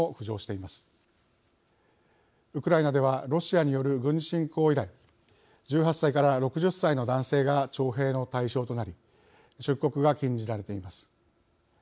ウクライナではロシアによる軍事侵攻以来１８歳から６０歳の男性が徴兵の対象となり出国が禁じられています。